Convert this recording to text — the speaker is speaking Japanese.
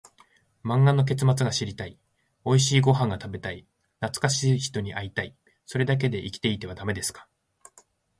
漫画の結末が知りたい、おいしいご飯が食べたい、懐かしい人に会いたい、それだけで生きていてはダメですか？